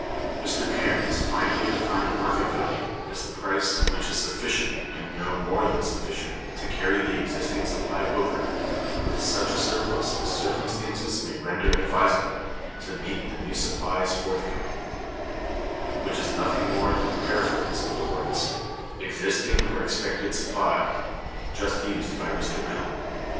Mr. Cairnes(209) finally defined market value as the price "which is sufficient, and no more than sufficient, to carry the existing supply over, with such a surplus as circumstances may render advisable, to meet the new supplies forthcoming," which is nothing more than a paraphrase of the words "existing or expected supply" just used by Mr. Mill.